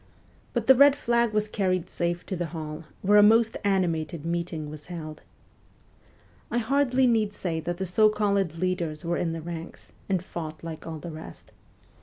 But the red flag was carried safe to the hall, where a most animated meeting was held. I hardly need say that the so called leaders were in the ranks, and fought like all the rest.